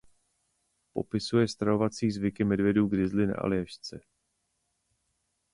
Popisuje stravovací zvyky medvědů grizzly na Aljašce.